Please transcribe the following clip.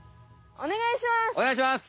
おねがいします！